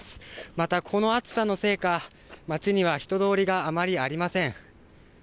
また、この暑さのせいか街には人通りがあまりありません。